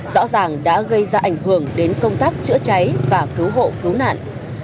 rõ ràng đã gây ra ảnh hưởng đến công tác chữa cháy và cứu hộ cứu nạn